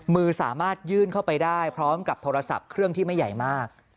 มือสามารถยื่นเข้าไปได้พร้อมกับโทรศัพท์เครื่องที่ไม่ใหญ่มาก